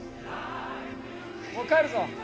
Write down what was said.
もう帰るぞ！